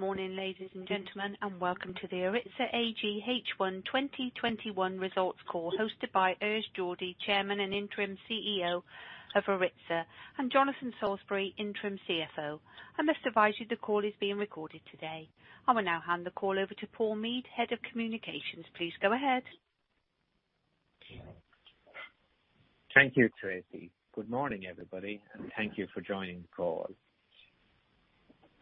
Good morning, ladies and gentlemen, and welcome to the ARYZTA AG H1 2021 results call, hosted by Urs Jordi, Chairman and Interim CEO of ARYZTA, and Jonathan Solesbury, Interim CFO. I must advise you the call is being recorded today. I will now hand the call over to Paul Meade, Head of Communications. Please go ahead. Thank you, Tracy. Good morning, everybody, and thank you for joining the call.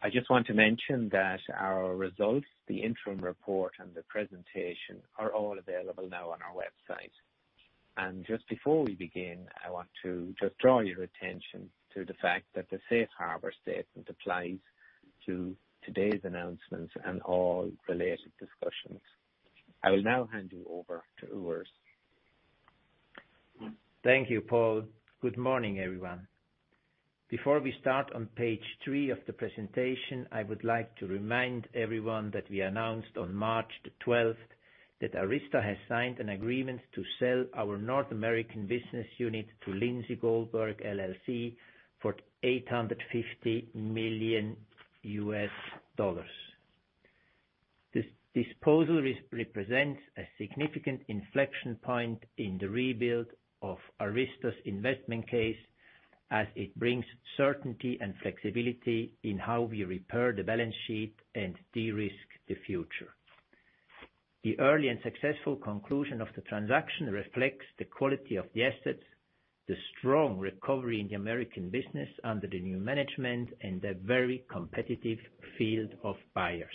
I just want to mention that our results, the interim report, and the presentation are all available now on our website. Just before we begin, I want to just draw your attention to the fact that the Safe Harbor statement applies to today's announcements and all related discussions. I will now hand you over to Urs. Thank you, Paul. Good morning, everyone. Before we start on page 3 of the presentation, I would like to remind everyone that we announced on March 12th that ARYZTA has signed an agreement to sell our North American business unit to Lindsay Goldberg LLC for $850 million. This disposal represents a significant inflection point in the rebuild of ARYZTA's investment case, as it brings certainty and flexibility in how we repair the balance sheet and de-risk the future. The early and successful conclusion of the transaction reflects the quality of the assets, the strong recovery in the American business under the new management, and a very competitive field of buyers.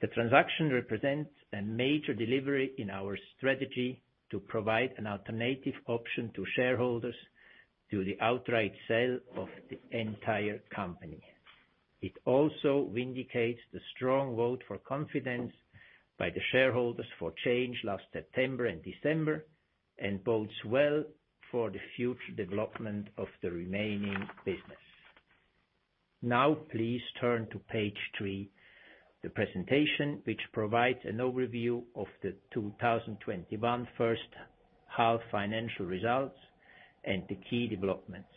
The transaction represents a major delivery in our strategy to provide an alternative option to shareholders to the outright sale of the entire company. It also vindicates the strong vote for confidence by the shareholders for change last September and December and bodes well for the future development of the remaining business. Now please turn to page 3 of the presentation, which provides an overview of the 2021 first half financial results and the key developments.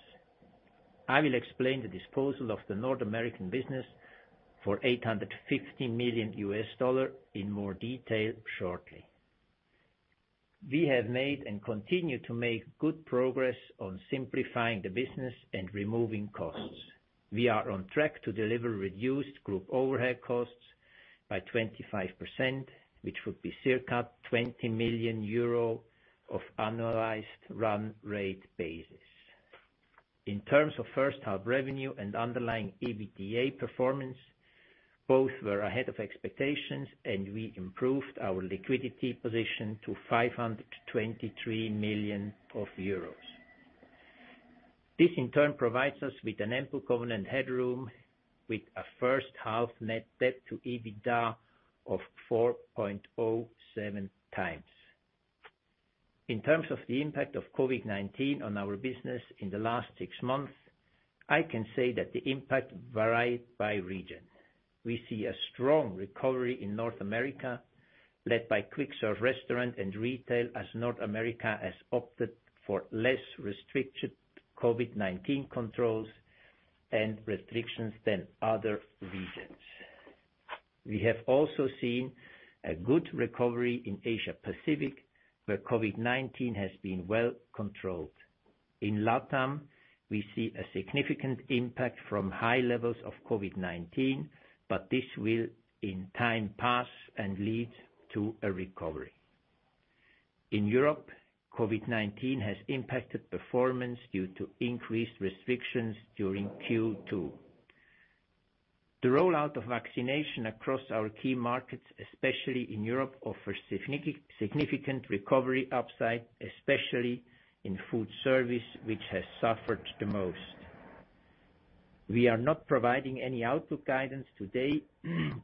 I will explain the disposal of the North American business for $850 million in more detail shortly. We have made and continue to make good progress on simplifying the business and removing costs. We are on track to deliver reduced group overhead costs by 25%, which would be circa 20 million euro of annualized run rate basis. In terms of first half revenue and underlying EBITDA performance, both were ahead of expectations, and we improved our liquidity position to 523 million euros. This, in turn, provides us with an ample covenant headroom with a first-half net debt to EBITDA of 4.07x. In terms of the impact of COVID-19 on our business in the last six months, I can say that the impact varied by region. We see a strong recovery in North America led by quick service restaurant and retail, as North America has opted for less restricted COVID-19 controls and restrictions than other regions. We have also seen a good recovery in Asia Pacific, where COVID-19 has been well controlled. In LATAM, we see a significant impact from high levels of COVID-19, but this will in time pass and lead to a recovery. In Europe, COVID-19 has impacted performance due to increased restrictions during Q2. The rollout of vaccination across our key markets, especially in Europe, offers significant recovery upside, especially in food service, which has suffered the most. We are not providing any output guidance today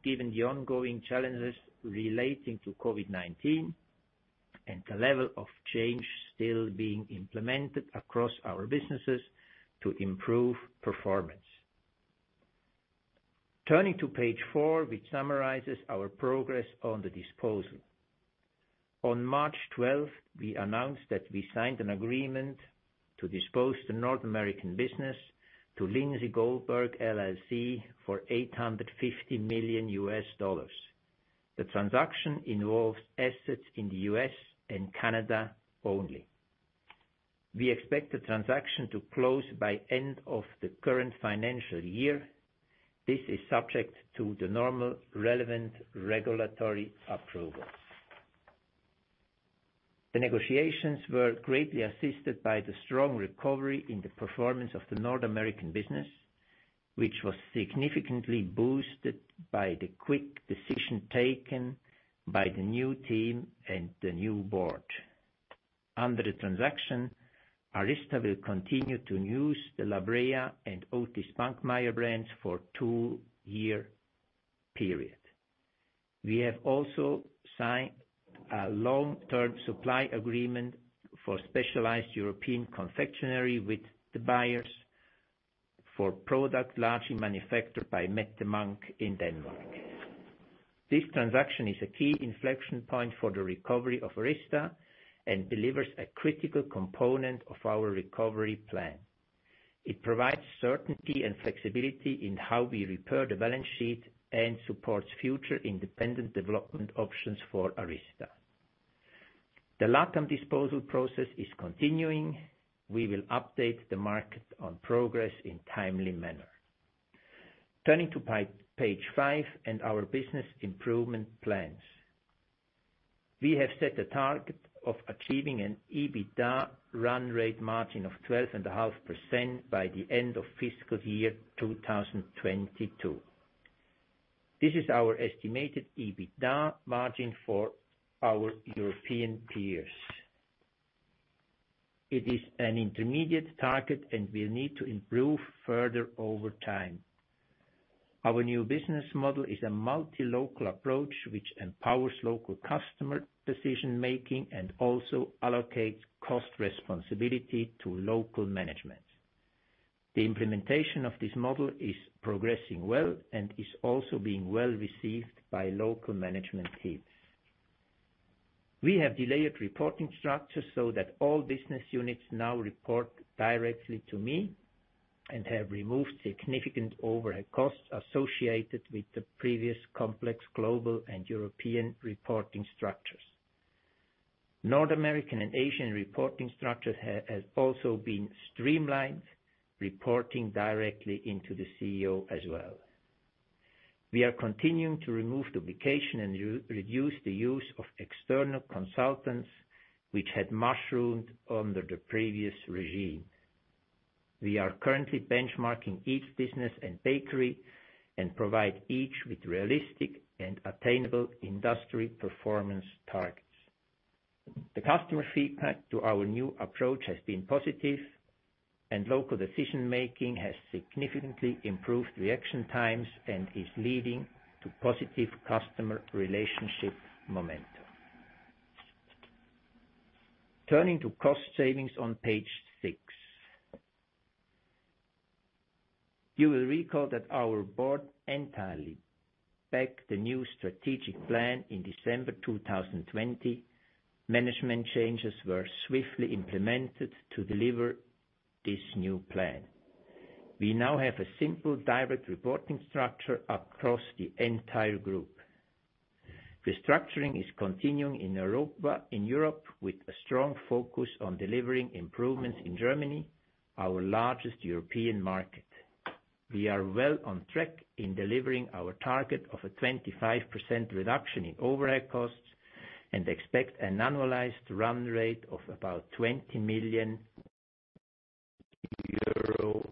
given the ongoing challenges relating to COVID-19 and the level of change still being implemented across our businesses to improve performance. Turning to page 4, which summarizes our progress on the disposal. On March 12th, we announced that we signed an agreement to dispose the North American business to Lindsay Goldberg LLC for $850 million. The transaction involves assets in the U.S. and Canada only. We expect the transaction to close by end of the current financial year. This is subject to the normal relevant regulatory approvals. The negotiations were greatly assisted by the strong recovery in the performance of the North American business, which was significantly boosted by the quick decision taken by the new team and the new board. Under the transaction, ARYZTA will continue to use the La Brea and Otis Spunkmeyer brands for two-year period. We have also signed a long-term supply agreement for specialized European confectionery with the buyers for product largely manufactured by Mette Munk in Denmark. This transaction is a key inflection point for the recovery of ARYZTA and delivers a critical component of our recovery plan. It provides certainty and flexibility in how we repair the balance sheet and supports future independent development options for ARYZTA. The LatAm disposal process is continuing. We will update the market on progress in timely manner. Turning to page 5 and our business improvement plans. We have set a target of achieving an EBITDA run rate margin of 12.5% by the end of fiscal year 2022. This is our estimated EBITDA margin for our European peers. It is an intermediate target and will need to improve further over time. Our new business model is a multi-local approach which empowers local customer decision-making and also allocates cost responsibility to local management. The implementation of this model is progressing well and is also being well received by local management teams. We have delayered reporting structures so that all business units now report directly to me and have removed significant overhead costs associated with the previous complex global and European reporting structures. North American and Asian reporting structures have also been streamlined, reporting directly into the CEO as well. We are continuing to remove duplication and reduce the use of external consultants, which had mushroomed under the previous regime. We are currently benchmarking each business and bakery and provide each with realistic and attainable industry performance targets. The customer feedback to our new approach has been positive, and local decision-making has significantly improved reaction times and is leading to positive customer relationship momentum. Turning to cost savings on page 6. You will recall that our board entirely backed the new strategic plan in December 2020. Management changes were swiftly implemented to deliver this new plan. We now have a simple direct reporting structure across the entire group. Restructuring is continuing in Europe with a strong focus on delivering improvements in Germany, our largest European market. We are well on track in delivering our target of a 25% reduction in overhead costs and expect an annualized run rate of about 20 million euro from these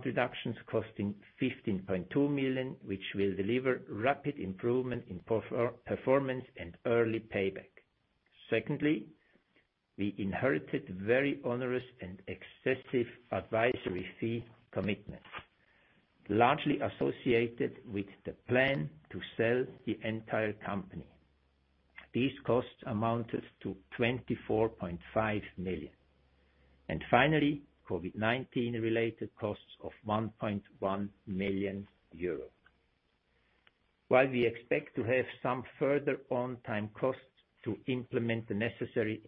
changes. However. [inaudible] We have disclosed a net EUR 35 million of one-time charges, net of disposal gain of EUR 5.8 million for the continuing business excluding North America. Jonathan will take you through this in greater detail later. These costs arise across three main categories for the continuing businesses. Firstly, headcount reductions costing EUR 15.2 million, which will deliver rapid improvement in performance and early payback. Secondly, we inherited very onerous and excessive advisory fee commitments, largely associated with the plan to sell the entire company. These costs amounted to 24.5 million. Finally, COVID-19 related costs of 1.1 million euros. While we expect to have some further one-time costs to implement the necessary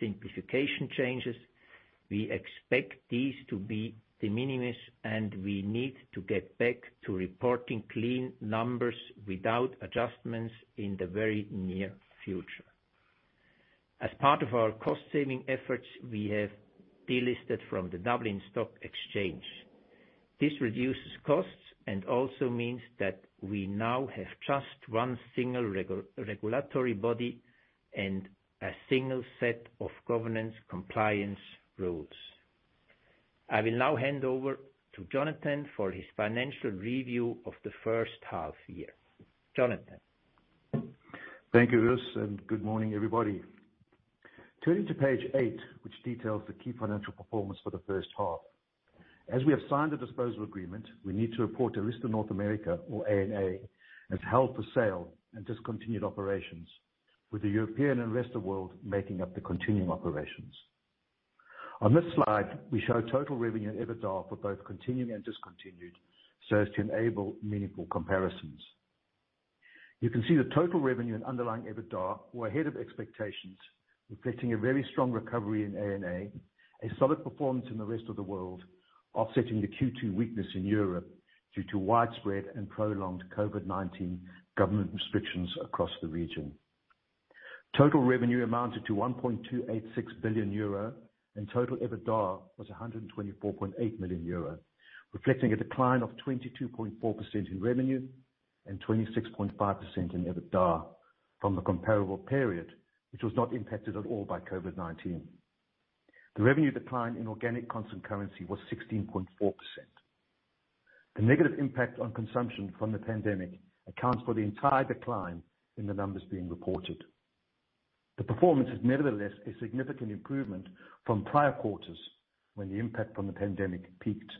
simplification changes, we expect these to be de minimis, and we need to get back to reporting clean numbers without adjustments in the very near future. As part of our cost-saving efforts, we have delisted from the Dublin Stock Exchange. This reduces costs and also means that we now have just one single regulatory body and a single set of governance compliance rules. I will now hand over to Jonathan for his financial review of the first half year. Jonathan. Thank you, Urs, and good morning, everybody. Turning to page 8, which details the key financial performance for the first half. As we have signed a disposal agreement, we need to report ARYZTA North America or ANA, as held for sale and discontinued operations with the European and rest of world making up the continuing operations. On this slide, we show total revenue and EBITDA for both continuing and discontinued so as to enable meaningful comparisons. You can see the total revenue and underlying EBITDA were ahead of expectations, reflecting a very strong recovery in ANA, a solid performance in the rest of the world, offsetting the Q2 weakness in Europe due to widespread and prolonged COVID-19 government restrictions across the region. Total revenue amounted to 1.286 billion euro, and total EBITDA was 124.8 million euro, reflecting a decline of 22.4% in revenue and 26.5% in EBITDA from the comparable period, which was not impacted at all by COVID-19. The revenue decline in organic constant currency was 16.4%. The negative impact on consumption from the pandemic accounts for the entire decline in the numbers being reported. The performance is nevertheless a significant improvement from prior quarters, when the impact from the pandemic peaked.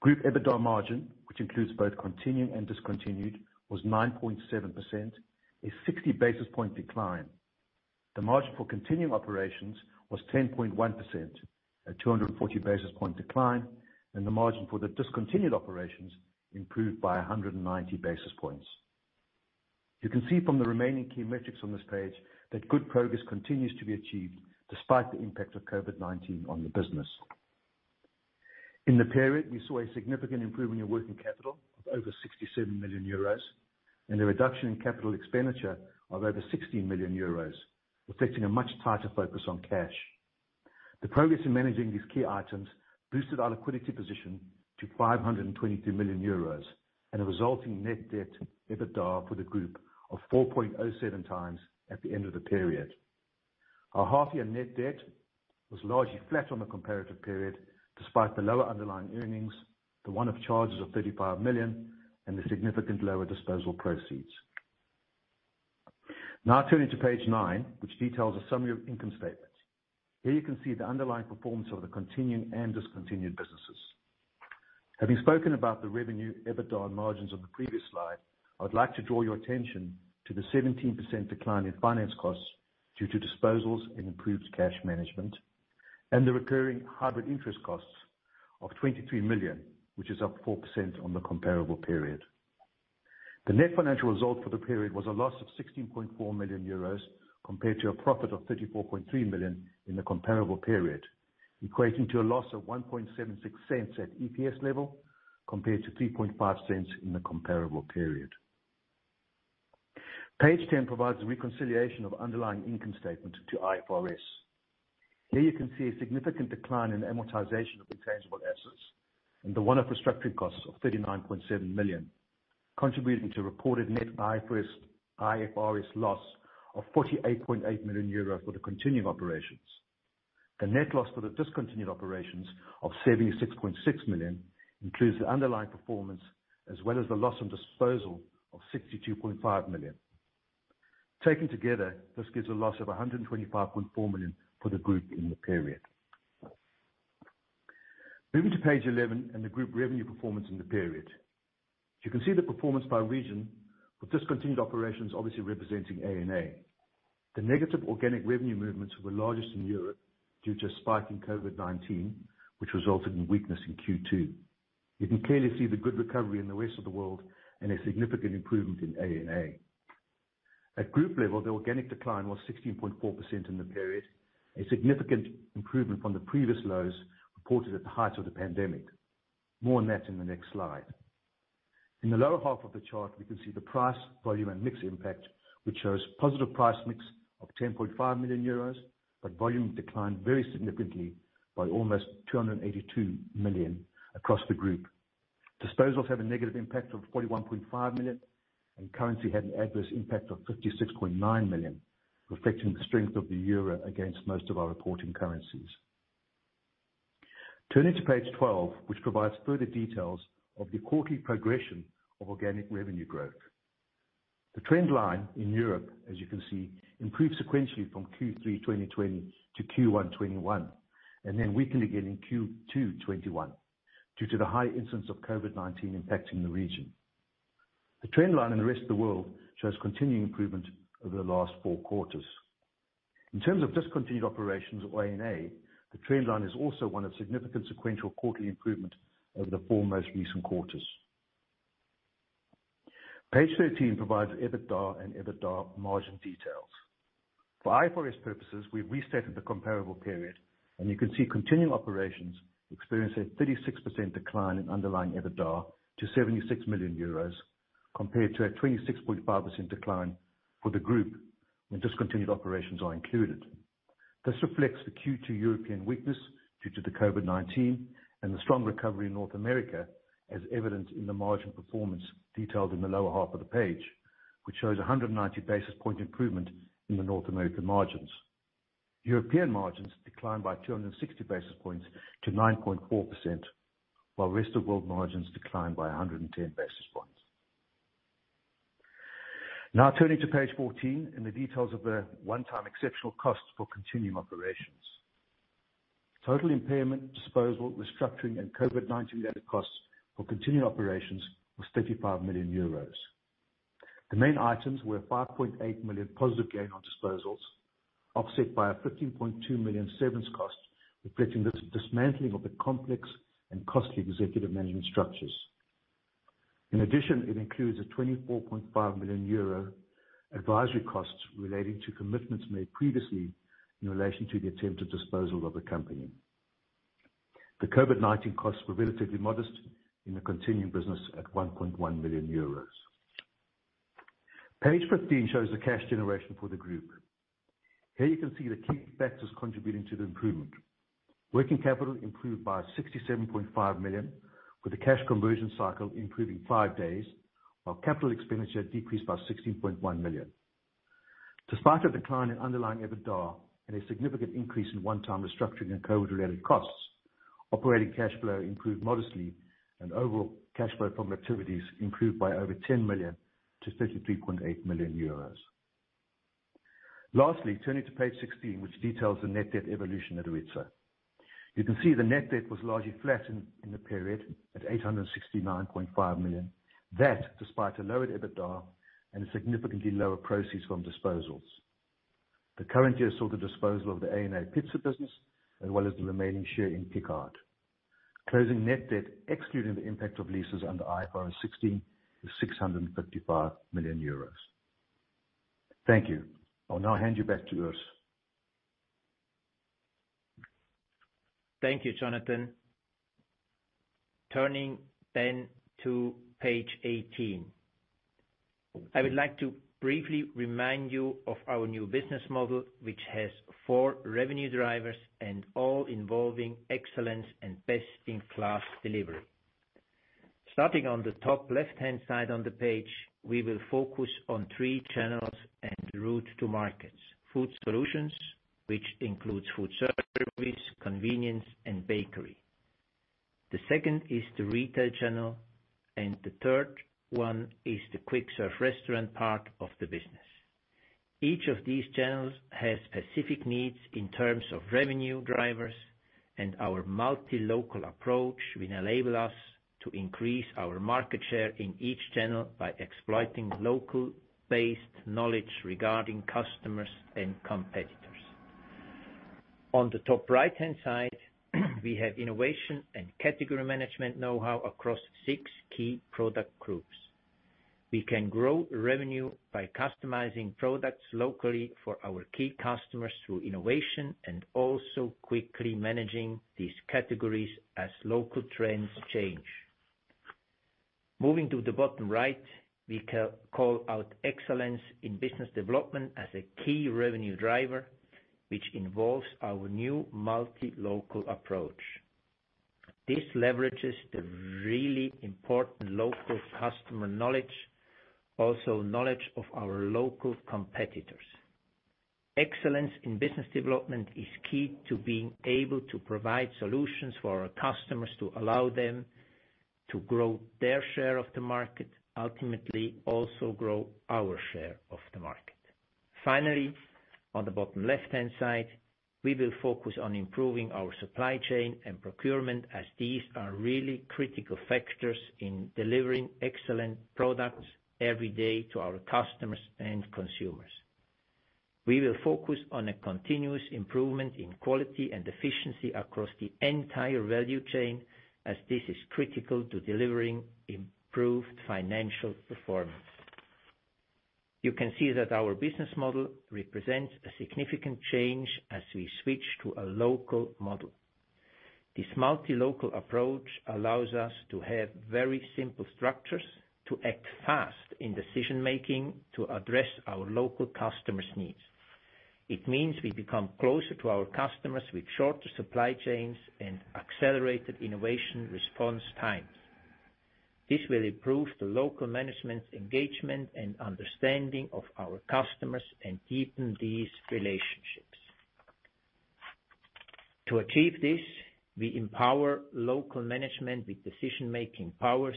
Group EBITDA margin, which includes both continuing and discontinued, was 9.7%, a 60-basis point decline. The margin for continuing operations was 10.1%, a 240-basis point decline, and the margin for the discontinued operations improved by 190 basis points. You can see from the remaining key metrics on this page that good progress continues to be achieved despite the impact of COVID-19 on the business. In the period, we saw a significant improvement in working capital of over 67 million euros and a reduction in CapEx of over 16 million euros, reflecting a much tighter focus on cash. The progress in managing these key items boosted our liquidity position to 523 million euros and a resulting net debt to EBITDA for the group of 4.07x at the end of the period. Our half-year net debt was largely flat on the comparative period despite the lower underlying earnings, the one-off charges of 35 million and the significant lower disposal proceeds. Turning to page 9, which details a summary of income statements. Here you can see the underlying performance of the continuing and discontinued businesses. Having spoken about the revenue, EBITDA, and margins on the previous slide, I would like to draw your attention to the 17% decline in finance costs due to disposals and improved cash management, and the recurring hybrid interest costs of 23 million, which is up 4% on the comparable period. The net financial result for the period was a loss of 16.4 million euros compared to a profit of 34.3 million in the comparable period, equating to a loss of 0.0176 at EPS level compared to 0.035 in the comparable period. Page 10 provides a reconciliation of underlying income statement to IFRS. Here you can see a significant decline in amortization of intangible assets and the one-off restructuring costs of 39.7 million, contributing to reported net IFRS loss of 48.8 million euro for the continuing operations. The net loss for the discontinued operations of 76.6 million includes the underlying performance as well as the loss on disposal of 62.5 million. Taken together, this gives a loss of 125.4 million for the group in the period. Moving to page 11 and the group revenue performance in the period. You can see the performance by region with discontinued operations obviously representing ANA. The negative organic revenue movements were largest in Europe due to a spike in COVID-19, which resulted in weakness in Q2. You can clearly see the good recovery in the rest of the world and a significant improvement in ANA. At group level, the organic decline was 16.4% in the period, a significant improvement from the previous lows reported at the height of the pandemic. More on that in the next slide. In the lower half of the chart, we can see the price, volume, and mix impact, which shows positive price mix of 10.5 million euros, but volume declined very significantly by almost 282 million across the group. Disposals had a negative impact of 41.5 million, and currency had an adverse impact of 56.9 million, reflecting the strength of the euro against most of our reporting currencies. Turning to page 12, which provides further details of the quarterly progression of organic revenue growth. The trend line in Europe, as you can see, improved sequentially from Q3 2020 to Q1 2021, and then weakened again in Q2 2021 due to the high incidence of COVID-19 impacting the region. The trend line in the rest of the world shows continuing improvement over the last four quarters. In terms of discontinued operations or ANA, the trend line is also one of significant sequential quarterly improvement over the four most recent quarters. Page 13 provides EBITDA and EBITDA margin details. For IFRS purposes, we've reset the comparable period. You can see continuing operations experienced a 36% decline in underlying EBITDA to 76 million euros, compared to a 26.5% decline for the group when discontinued operations are included. This reflects the Q2 European weakness due to the COVID-19 and the strong recovery in North America, as evidenced in the margin performance detailed in the lower half of the page, which shows 190-basis point improvement in the North American margins. European margins declined by 260 basis points to 9.4%, while rest of world margins declined by 110 basis points. Turning to page 14 in the details of the one-time exceptional costs for continuing operations. Total impairment, disposal, restructuring, and COVID-19-related costs for continuing operations was 35 million euros. The main items were a 5.8 million positive gain on disposals. Offset by a 15.2 million severance cost, reflecting the dismantling of the complex and costly executive management structures. In addition, it includes a 24.5 million euro advisory costs relating to commitments made previously in relation to the attempted disposal of the company. The COVID-19 costs were relatively modest in the continuing business at 1.1 million euros. Page 15 shows the cash generation for the group. Here you can see the key factors contributing to the improvement. Working capital improved by 67.5 million, with the cash conversion cycle improving five days, while CapEx decreased by 16.1 million. Despite a decline in underlying EBITDA and a significant increase in one-time restructuring and COVID-related costs, operating cash flow improved modestly, and overall cash flow from activities improved by over 10 million-33.8 million euros. Turning to page 16, which details the net debt evolution at ARYZTA. You can see the net debt was largely flat in the period at 869.5 million. That despite a lowered EBITDA and a significantly lower proceeds from disposals. The current year saw the disposal of the A&O pizza business, as well as the remaining share in Picard. Closing net debt, excluding the impact of leases under IFRS 16, is 655 million euros. Thank you. I'll now hand you back to Urs. Thank you, Jonathan. Turning to page 18. I would like to briefly remind you of our new business model, which has four revenue drivers and all involving excellence and best-in-class delivery. Starting on the top left-hand side on the page, we will focus on three channels and route to markets: food solutions, which includes food service, convenience, and bakery. The second is the retail channel, and the third one is the quick-serve restaurant part of the business. Each of these channels has specific needs in terms of revenue drivers, and our multi-local approach will enable us to increase our market share in each channel by exploiting local-based knowledge regarding customers and competitors. On the top right-hand side, we have innovation and category management knowhow across six key product groups. We can grow revenue by customizing products locally for our key customers through innovation, and also quickly managing these categories as local trends change. Moving to the bottom right, we call out excellence in business development as a key revenue driver, which involves our new multi-local approach. This leverages the really important local customer knowledge, also knowledge of our local competitors. Excellence in business development is key to being able to provide solutions for our customers to allow them to grow their share of the market, ultimately also grow our share of the market. Finally, on the bottom left-hand side, we will focus on improving our supply chain and procurement as these are really critical factors in delivering excellent products every day to our customers and consumers. We will focus on a continuous improvement in quality and efficiency across the entire value chain, as this is critical to delivering improved financial performance. You can see that our business model represents a significant change as we switch to a local model. This multi-local approach allows us to have very simple structures to act fast in decision-making to address our local customers' needs. It means we become closer to our customers with shorter supply chains and accelerated innovation response times. This will improve the local management's engagement and understanding of our customers and deepen these relationships. To achieve this, we empower local management with decision-making powers,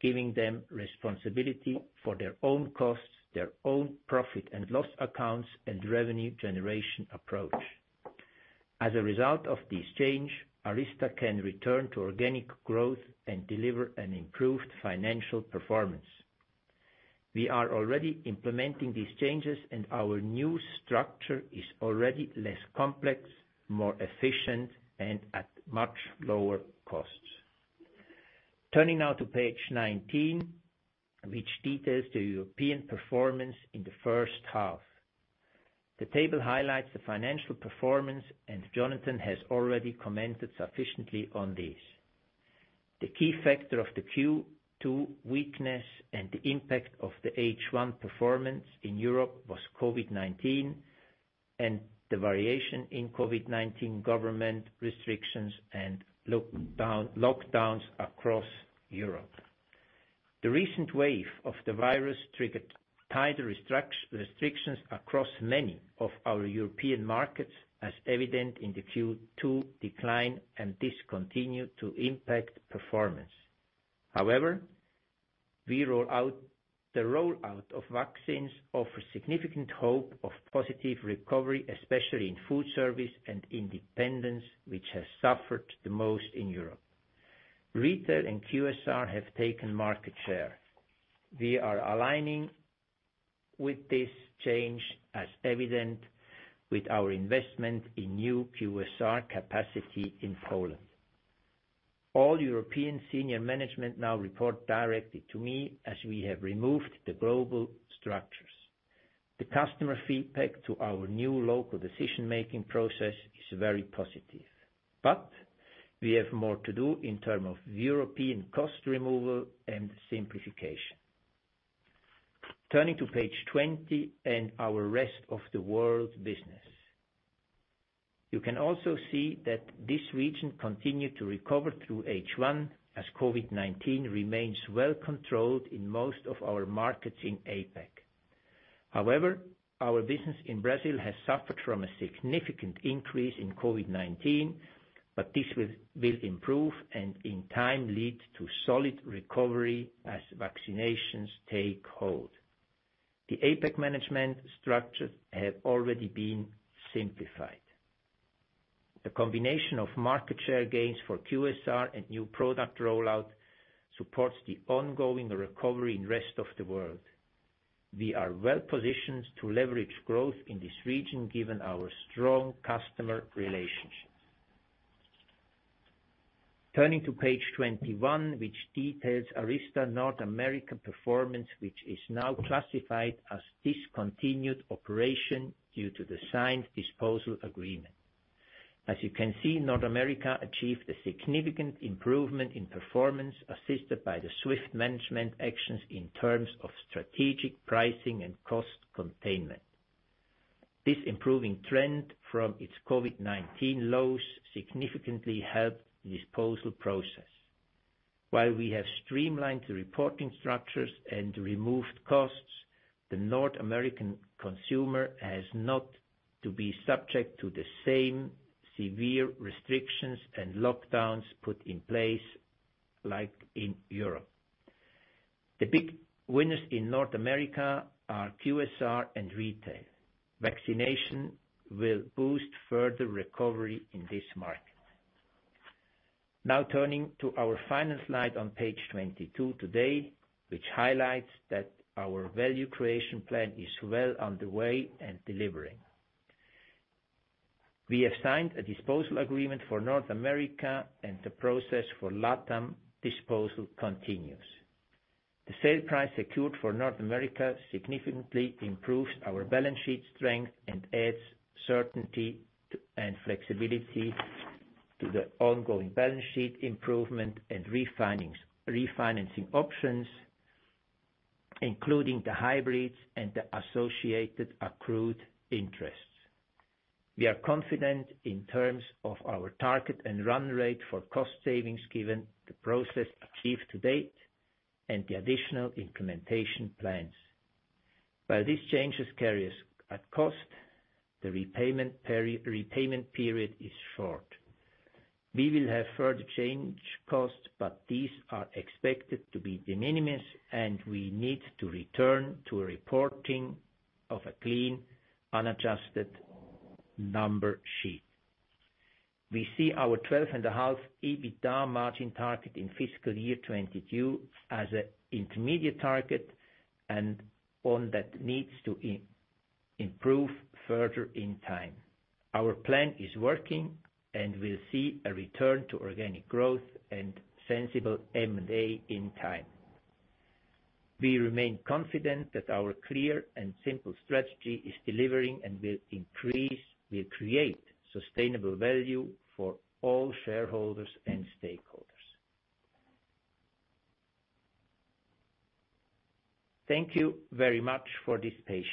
giving them responsibility for their own costs, their own profit and loss accounts, and revenue generation approach. As a result of this change, ARYZTA can return to organic growth and deliver an improved financial performance. We are already implementing these changes, and our new structure is already less complex, more efficient, and at much lower costs. Turning now to page 19, which details the European performance in the first half. The table highlights the financial performance, and Jonathan has already commented sufficiently on this. The key factor of the Q2 weakness and the impact of the H1 performance in Europe was COVID-19, and the variation in COVID-19 government restrictions and lockdowns across Europe. The recent wave of the virus triggered tighter restrictions across many of our European markets, as evident in the Q2 decline and this continued to impact performance. However, the rollout of vaccines offers significant hope of positive recovery, especially in food service and independence, which has suffered the most in Europe. Retail and QSR have taken market share. We are aligning with this change as evident with our investment in new QSR capacity in Poland. All European senior management now report directly to me as we have removed the global structures. The customer feedback to our new local decision-making process is very positive. We have more to do in terms of European cost removal and simplification. Turning to page 20 and our rest of the world business. You can also see that this region continued to recover through H1 as COVID-19 remains well controlled in most of our markets in APAC. Our business in Brazil has suffered from a significant increase in COVID-19, but this will improve and in time lead to solid recovery as vaccinations take hold. The APAC management structures have already been simplified. The combination of market share gains for QSR and new product rollout supports the ongoing recovery in rest of the world. We are well-positioned to leverage growth in this region given our strong customer relationships. Turning to page 21 which details ARYZTA North America performance which is now classified as discontinued operation due to the signed disposal agreement. As you can see, North America achieved a significant improvement in performance assisted by the swift management actions in terms of strategic pricing and cost containment. This improving trend from its COVID-19 lows significantly helped the disposal process. While we have streamlined the reporting structures and removed costs, the North American consumer has not to be subject to the same severe restrictions and lockdowns put in place like in Europe. The big winners in North America are QSR and retail. Vaccination will boost further recovery in this market. Now turning to our final slide on page 22 today, which highlights that our value creation plan is well underway and delivering. We have signed a disposal agreement for North America and the process for LATAM disposal continues. The sale price secured for North America significantly improves our balance sheet strength and adds certainty and flexibility to the ongoing balance sheet improvement and refinancing options, including the hybrids and the associated accrued interests. We are confident in terms of our target and run rate for cost savings given the process achieved to date and the additional implementation plans. While these changes carry a cost, the repayment period is short. We will have further change costs, but these are expected to be de minimis and we need to return to reporting of a clean, unadjusted number sheet. We see our 12.5% EBITDA margin target in fiscal year 2022 as an intermediate target and one that needs to improve further in time. Our plan is working and will see a return to organic growth and sensible M&A in time. We remain confident that our clear and simple strategy is delivering and will create sustainable value for all shareholders and stakeholders. Thank you very much for this patience.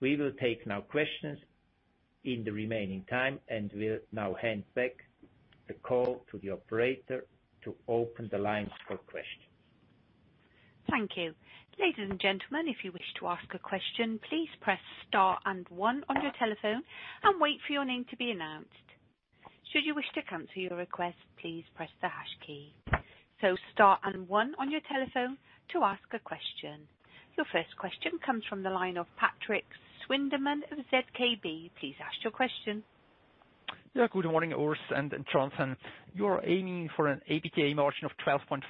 We will take now questions in the remaining time and will now hand back the call to the operator to open the lines for questions. Thank you. Ladies and gentlemen, if you wish to ask a question, please press star and one on your telephone and wait for your name to be announced. Should you wish to cancel your request, please press the hash key. Star and one on your telephone to ask a question. Your first question comes from the line of Patrik Schwendimann of ZKB. Please ask your question. Good morning, Urs and Jonathan. You are aiming for an EBITDA margin of 12.5%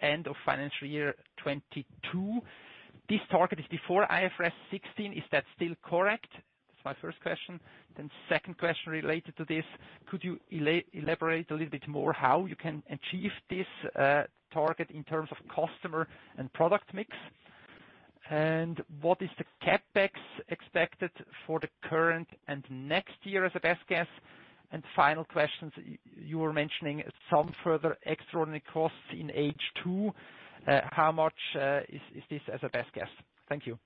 end of financial year 2022. This target is before IFRS 16. Is that still correct? That's my first question. Second question related to this, could you elaborate a little bit more how you can achieve this target in terms of customer and product mix? What is the CapEx expected for the current and next year as a best guess? Final question, you were mentioning some further extraordinary costs in H2. How much is this as a best guess? Thank you.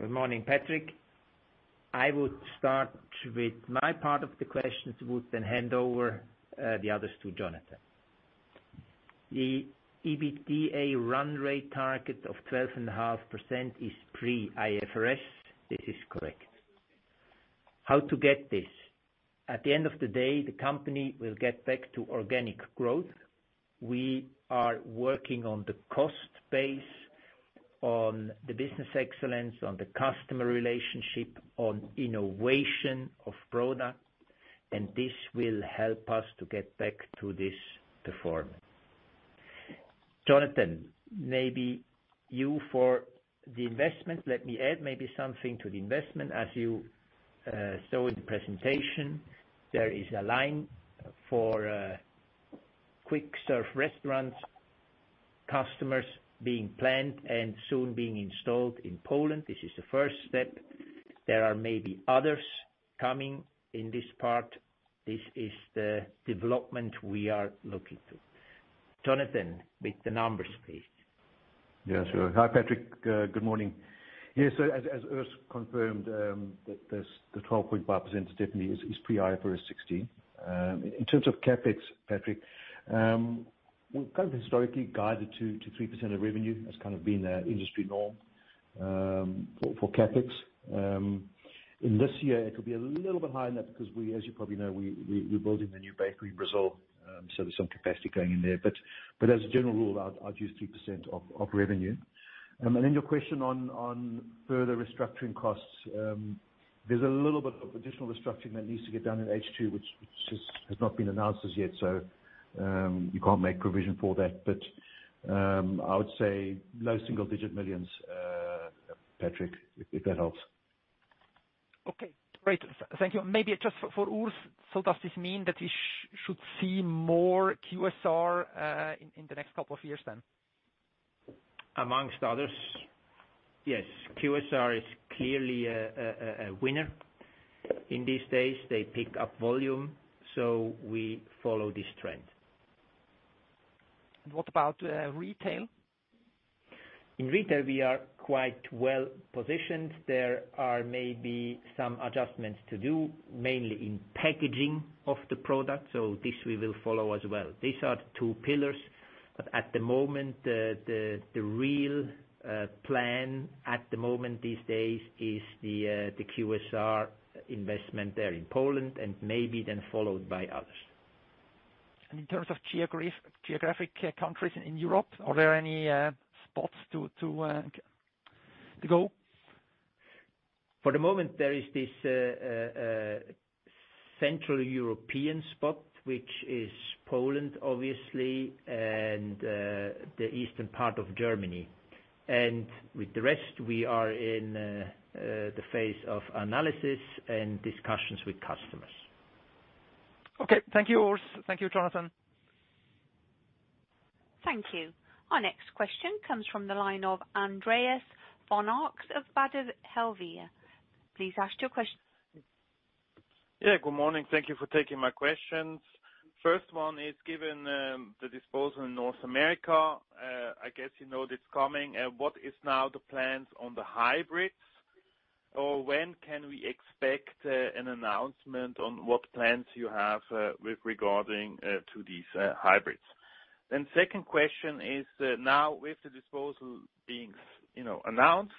Good morning, Patrik. I would start with my part of the questions, would then hand over the others to Jonathan. The EBITDA run rate target of 12.5% is pre-IFRS. This is correct. How to get this? At the end of the day, the company will get back to organic growth. We are working on the cost base. On the business excellence, on the customer relationship, on innovation of product, and this will help us to get back to this performance. Jonathan, maybe you for the investment. Let me add maybe something to the investment. As you saw in the presentation, there is a line for quick serve restaurant customers being planned and soon being installed in Poland. This is the first step. There are maybe others coming in this part. This is the development we are looking to. Jonathan, with the numbers, please. Yeah, sure. Hi, Patrik. Good morning. Yes, as Urs confirmed, the 12.5% definitely is pre-IFRS 16. In terms of CapEx, Patrik, we've historically guided 2%-3% of revenue as been the industry norm for CapEx. In this year, it will be a little bit higher than that because as you probably know, we're building a new bakery in Brazil, so there's some capacity going in there. As a general rule, I'd use 3% of revenue. Your question on further restructuring costs. There's a little bit of additional restructuring that needs to get done in H2, which has not been announced as yet. You can't make provision for that. I would say EUR low single-digit millions, Patrik, if that helps. Okay, great. Thank you. Maybe just for Urs, does this mean that we should see more QSR in the next couple of years then? Amongst others, yes. QSR is clearly a winner in these days. They pick up volume, so we follow this trend. What about retail? In retail, we are quite well-positioned. There are maybe some adjustments to do, mainly in packaging of the product. This we will follow as well. These are the two pillars. The real plan at the moment these days is the QSR investment there in Poland and maybe then followed by others. In terms of geographic countries in Europe, are there any spots to go? For the moment, there is this Central European spot, which is Poland, obviously, and the eastern part of Germany. With the rest, we are in the phase of analysis and discussions with customers. Okay. Thank you, Urs. Thank you, Jonathan. Thank you. Our next question comes from the line of Andreas von Arx of Baader Helvea. Please ask your question. Yeah, good morning. Thank you for taking my questions. First one is, given the disposal in North America, I guess you know this coming, what is now the plans on the hybrids? When can we expect an announcement on what plans you have with regarding to these hybrids? Second question is, now with the disposal being announced,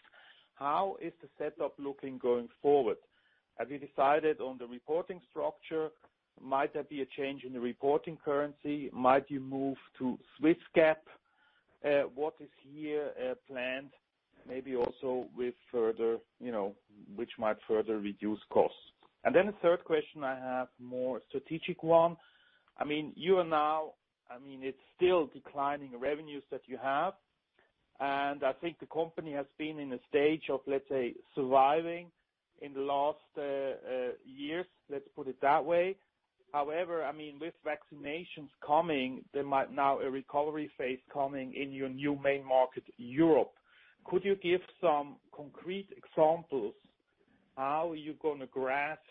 how is the setup looking going forward? Have you decided on the reporting structure? Might there be a change in the reporting currency? Might you move to Swiss GAAP? What is here planned? Maybe also which might further reduce costs. The third question I have, more strategic one. It's still declining revenues that you have, and I think the company has been in a stage of, let's say, surviving in the last years, let's put it that way. With vaccinations coming, there might now a recovery phase coming in your new main market, Europe. Could you give some concrete examples how you're going to grasp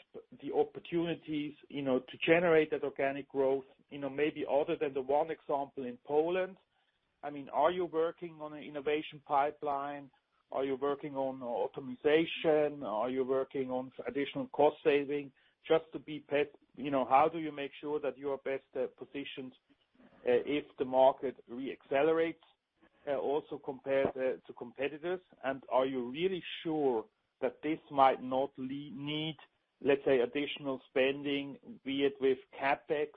the opportunities to generate that organic growth, maybe other than the one example in Poland? Are you working on an innovation pipeline? Are you working on optimization? Are you working on additional cost saving just to be prepared? How do you make sure that you are best positioned if the market re-accelerates, also compared to competitors? Are you really sure that this might not need, let's say, additional spending, be it with CapEx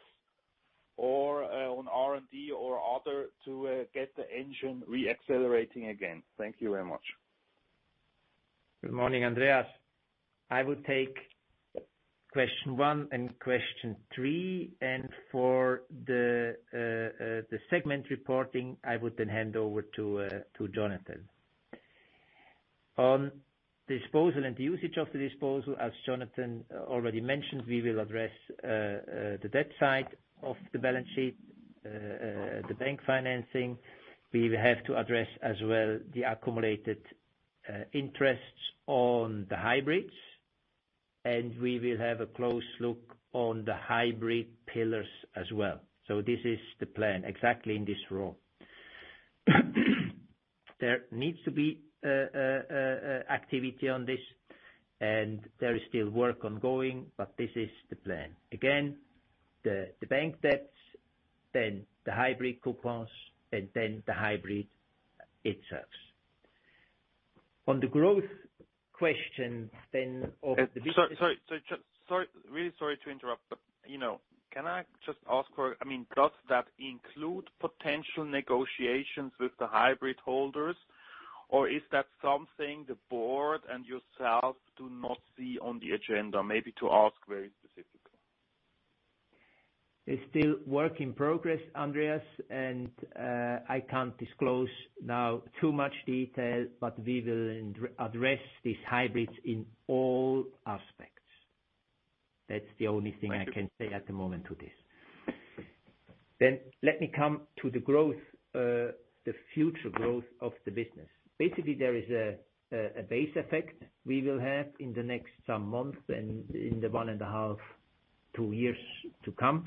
or on R&D or other to get the engine re-accelerating again? Thank you very much. Good morning, Andreas. I will take question one and question three, for the segment reporting, I would then hand over to Jonathan. On disposal and usage of the disposal, as Jonathan already mentioned, we will address the debt side of the balance sheet, the bank financing. We will have to address as well the accumulated interests on the hybrids, we will have a close look on the hybrids as well. This is the plan exactly in this row. There needs to be activity on this, there is still work ongoing, this is the plan. Again, the bank debts, the hybrid coupons, the hybrid itself. On the growth question of the business- Sorry. Really sorry to interrupt. Can I just ask, does that include potential negotiations with the hybrid holders or is that something the board and yourself do not see on the agenda? Maybe to ask very specifically. It's still work in progress, Andreas. I can't disclose now too much detail, we will address these hybrids in all aspects. That's the only thing I can say at the moment to this. Let me come to the growth, the future growth of the business. There is a base effect we will have in the next some months and in the 1.5, two years to come,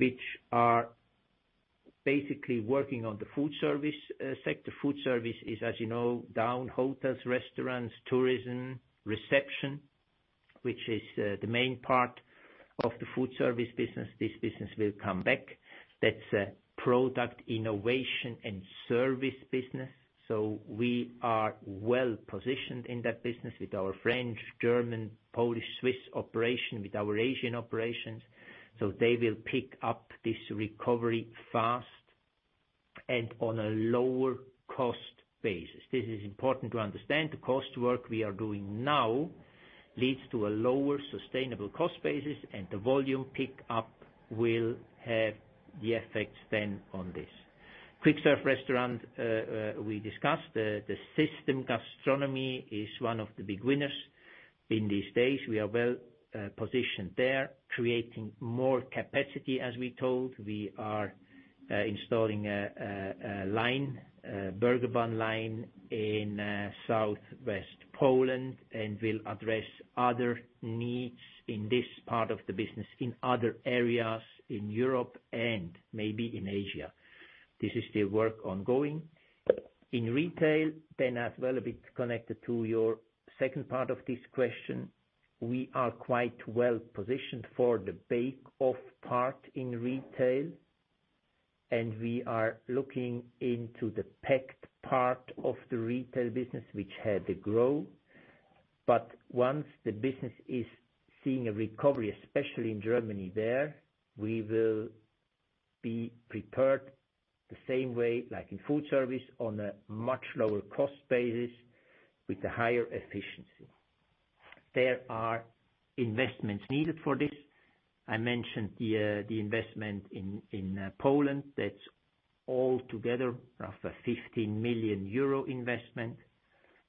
which are basically working on the food service sector. Food service is, as you know, down hotels, restaurants, tourism, reception, which is the main part of the food service business. This business will come back. That's a product innovation and service business. We are well-positioned in that business with our French, German, Polish, Swiss operation, with our Asian operations. They will pick up this recovery fast and on a lower cost basis. This is important to understand. The cost work we are doing now leads to a lower sustainable cost basis, and the volume pick-up will have the effects then on this. Quick Serve Restaurant, we discussed. The system gastronomy is one of the big winners in these days. We are well-positioned there, creating more capacity as we told. We are installing a Burger Bun line in South West Poland and will address other needs in this part of the business in other areas in Europe and maybe in Asia. This is the work ongoing. In retail, then as well, a bit connected to your second part of this question. We are quite well-positioned for the bake off part in retail, and we are looking into the packed part of the retail business, which had the growth. Once the business is seeing a recovery, especially in Germany there, we will be prepared the same way like in food service on a much lower cost basis with a higher efficiency. There are investments needed for this. I mentioned the investment in Poland, that's all together roughly 15 million euro investment.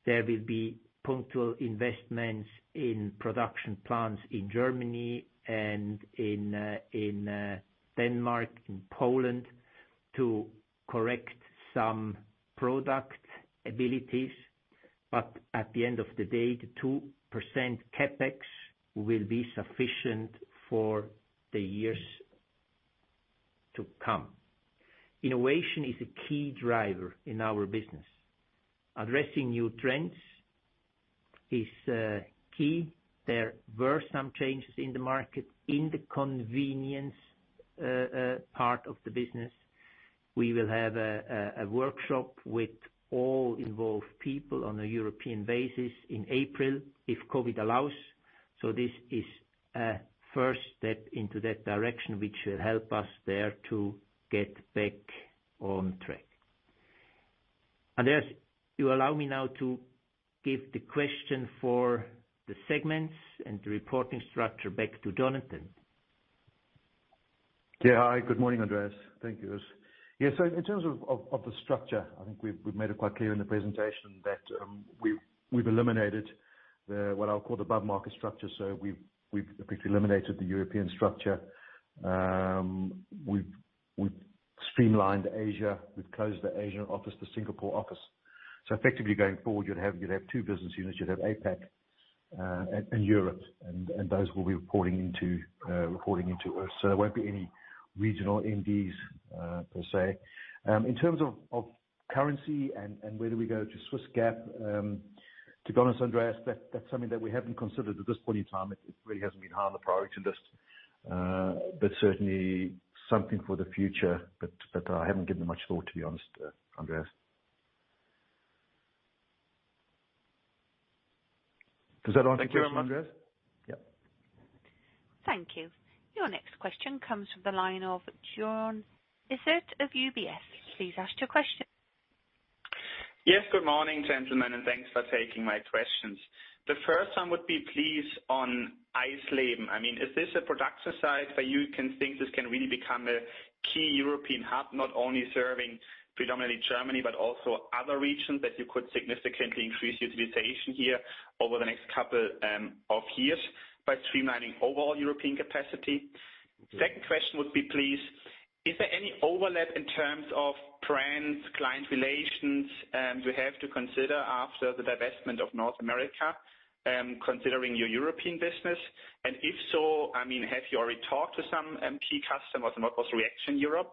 There will be punctual investments in production plants in Germany and in Denmark, in Poland to correct some product abilities. At the end of the day, the 2% CapEx will be sufficient for the years to come. Innovation is a key driver in our business. Addressing new trends is key. There were some changes in the market in the convenience part of the business. We will have a workshop with all involved people on a European basis in April if COVID allows. This is a first step into that direction, which will help us there to get back on track. Andreas, you allow me now to give the question for the segments and the reporting structure back to Jonathan. Hi, good morning, Andreas. Thank you. In terms of the structure, I think we've made it quite clear in the presentation that we've eliminated the, what I'll call the above-market structure. We've effectively eliminated the European structure. We've streamlined Asia. We've closed the Asian office, the Singapore office. Effectively going forward, you'd have two business units. You'd have APAC and Europe, and those will be reporting into us. There won't be any regional MDs per se. In terms of currency and whether we go to Swiss GAAP, to be honest, Andreas, that's something that we haven't considered at this point in time. It really hasn't been high on the priority list. Certainly something for the future but that I haven't given much thought, to be honest, Andreas. Does that answer your question, Andreas? Thank you very much. Yeah. Thank you. Your next question comes from the line of Joern Iffert of UBS. Please ask your question. Yes, good morning, gentlemen, and thanks for taking my questions. The first one would be please on Eisleben. Is this a production site that you can think this can really become a key European hub, not only serving predominantly Germany, but also other regions that you could significantly increase utilization here over the next couple of years by streamlining overall European capacity? Second question would be please, is there any overlap in terms of brands, client relations you have to consider after the divestment of North America, considering your European business? If so, have you already talked to some key customers, and what was the reaction in Europe?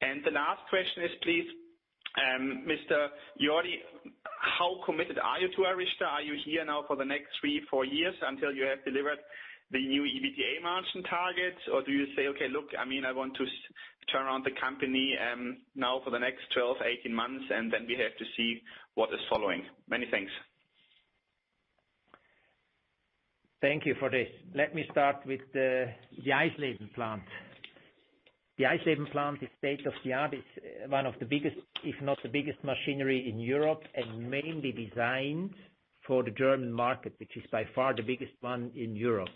The last question is, please, Mr. Jordi, how committed are you to ARYZTA? Are you here now for the next three, four years until you have delivered the new EBITDA margin targets? Do you say, "Okay, look, I want to turn around the company now for the next 12, 18 months, and then we have to see what is following. Many thanks. Thank you for this. Let me start with the Eisleben plant. The Eisleben plant is state of the art. It's one of the biggest, if not the biggest machinery in Europe, and mainly designed for the German market, which is by far the biggest one in Europe.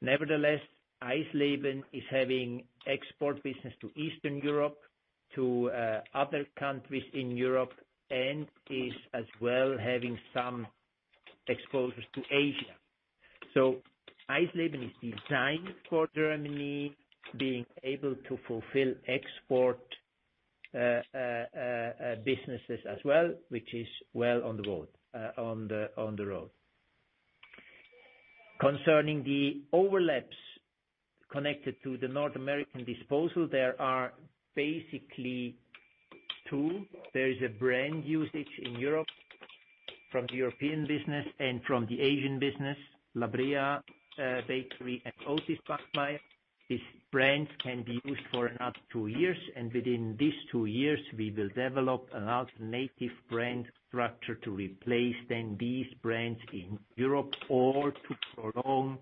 Nevertheless, Eisleben is having export business to Eastern Europe, to other countries in Europe, and is as well having some exposures to Asia. Eisleben is designed for Germany being able to fulfill export businesses as well, which is well on the road. Concerning the overlaps connected to the North American disposal, there are basically two. There is a brand usage in Europe from the European business and from the Asian business, La Brea Bakery and Otis Spunkmeyer. These brands can be used for another two years. Within these two years, we will develop an alternative brand structure to replace then these brands in Europe or to prolong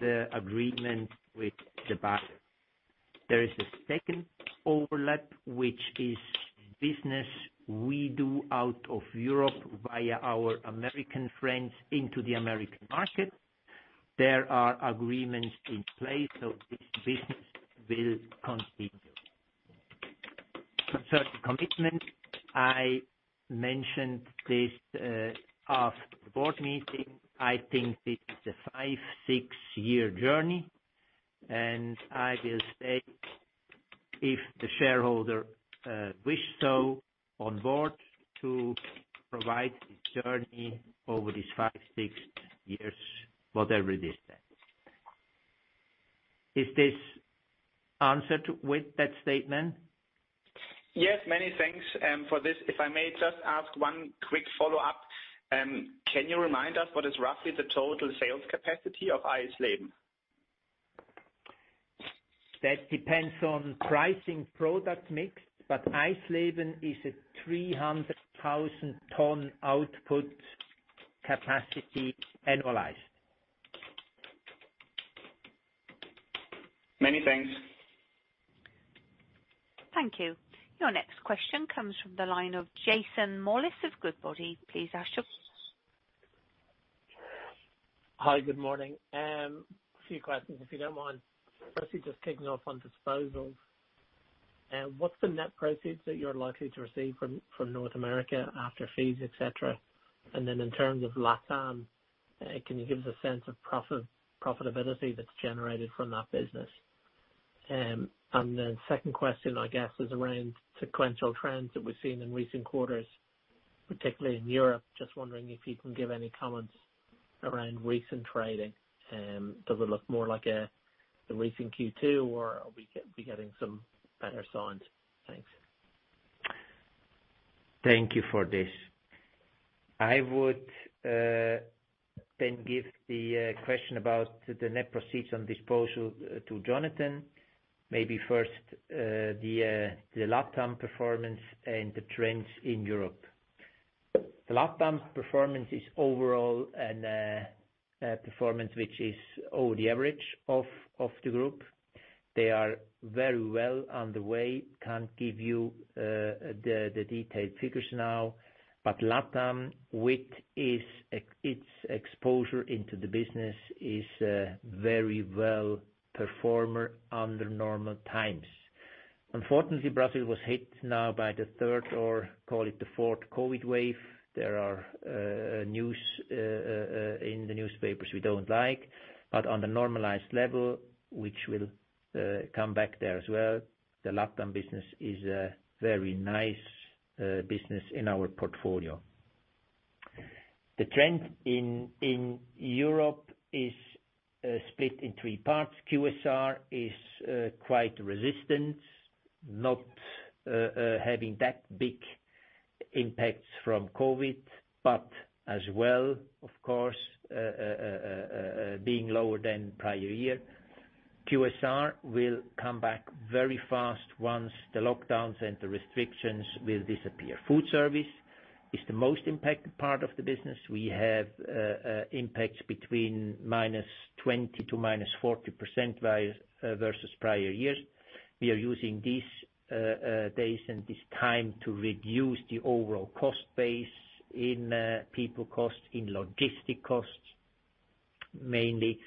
the agreement with the buyer. There is a second overlap, which is business we do out of Europe via our American friends into the American market. There are agreements in place. This business will continue. Concerning commitment, I mentioned this at the board meeting. I think this is a five, six-year journey. I will stay, if the shareholder wish so on board, to provide this journey over these five, six years, whatever it is then. Is this answered with that statement? Yes, many thanks for this. If I may just ask one quick follow-up. Can you remind us what is roughly the total sales capacity of Eisleben? That depends on pricing product mix, but Eisleben is a 300,000 ton output capacity annualized. Many thanks. Thank you. Your next question comes from the line of Jason Molins of Goodbody. Please ask your question. Hi. Good morning. A few questions, if you don't mind. Firstly, just kicking off on disposals. What's the net proceeds that you're likely to receive from North America after fees, etc? In terms of LatAm, can you give us a sense of profitability that's generated from that business? Second question, I guess, is around sequential trends that we're seeing in recent quarters, particularly in Europe. Just wondering if you can give any comments around recent trading. Does it look more like the recent Q2, or are we getting some better signs? Thanks. Thank you for this. I would give the question about the net proceeds on disposal to Jonathan. First, the LatAm performance and the trends in Europe. The LatAm performance is overall a performance which is over the average of the group. They are very well on the way. Can't give you the detailed figures now. LatAm with its exposure into the business is a very well performer under normal times. Unfortunately, Brazil was hit now by the third, or call it the fourth COVID wave. There are news in the newspapers we don't like. On the normalized level, which will come back there as well, the LatAm business is a very nice business in our portfolio. The trend in Europe is split in three parts. QSR is quite resistant, not having that big impacts from COVID. As well, of course, being lower than prior year. QSR will come back very fast once the lockdowns and the restrictions will disappear. Food service is the most impacted part of the business. We have impacts between -20% to -40% versus prior years. We are using these days and this time to reduce the overall cost base in people cost, in logistic costs, mainly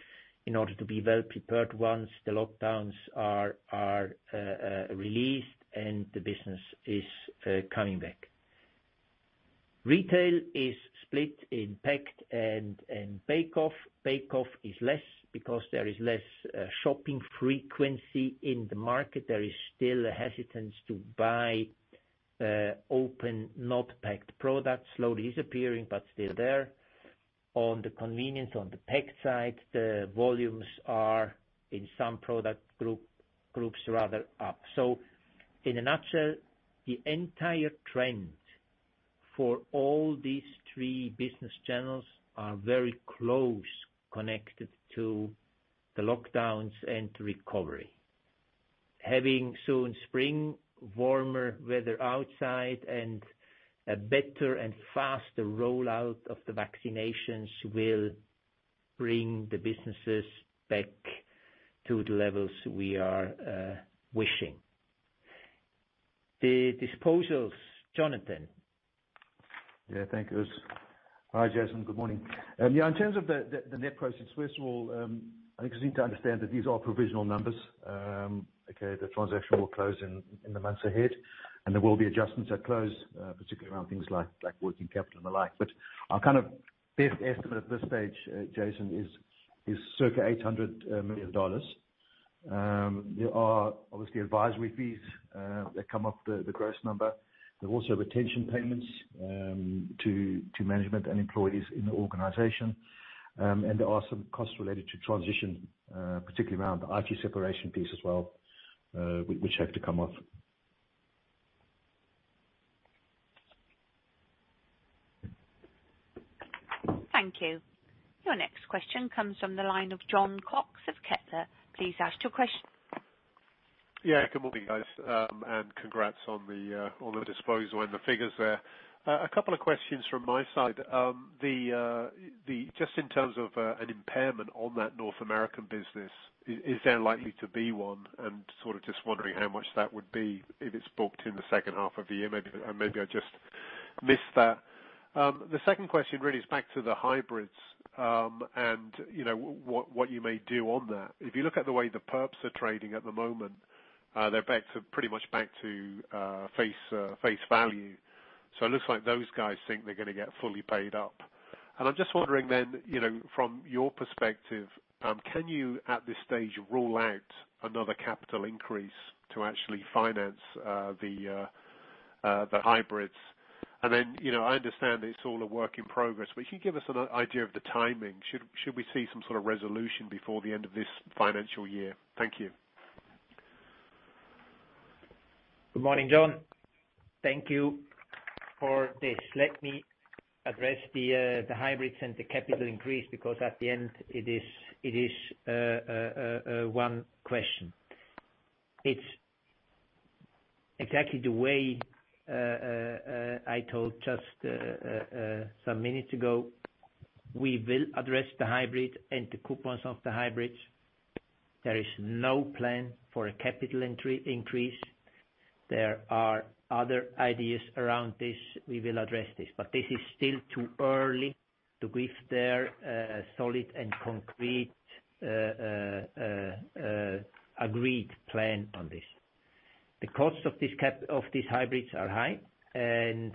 in order to be well prepared once the lockdowns are released and the business is coming back. Retail is split in packed and bake off. Bake off is less because there is less shopping frequency in the market. There is still a hesitance to buy open, not packed products, slowly disappearing, but still there. On the convenience, on the packed side, the volumes are in some product groups rather up. In a nutshell, the entire trend for all these three business channels are very close connected to the lockdowns and recovery. Having soon spring, warmer weather outside, and a better and faster rollout of the vaccinations will bring the businesses back to the levels we are wishing. The disposals, Jonathan. Thank you. Hi, Jason. Good morning. In terms of the net proceeds, first of all, I think we need to understand that these are provisional numbers. Okay. The transaction will close in the months ahead, and there will be adjustments at close, particularly around things like working capital and the like. Our best estimate at this stage, Jason, is circa $800 million. There are obviously advisory fees that come up the gross number. There are also retention payments to management and employees in the organization. There are some costs related to transition, particularly around the IT separation piece as well, which have to come off. Thank you. Your next question comes from the line of Jon Cox of Kepler Cheuvreux. Please ask your question. Yeah. Good morning, guys. Congrats on the disposal and the figures there. A couple of questions from my side. Just in terms of an impairment on that North American business, is there likely to be one? Sort of just wondering how much that would be if it's booked in the second half of the year. Maybe I just missed that. The second question really is back to the hybrids and what you may do on that. If you look at the way the perps are trading at the moment, they're pretty much back to face value. It looks like those guys think they're going to get fully paid up. I'm just wondering then, from your perspective, can you at this stage rule out another capital increase to actually finance the hybrids? I understand it's all a work in progress, but if you can give us an idea of the timing. Should we see some sort of resolution before the end of this financial year? Thank you. Good morning, Jon. Thank you for this. Let me address the hybrids and the capital increase. At the end it is one question. It is exactly the way I told just some minutes ago, we will address the hybrid and the coupons of the hybrids. There is no plan for a capital increase. There are other ideas around this. We will address this. This is still too early to give their solid and concrete agreed plan on this. The cost of these hybrids are high, and